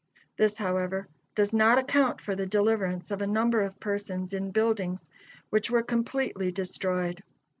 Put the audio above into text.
This, however, does not account for the deliverance of a number of persons in buildings which were completely destroyed.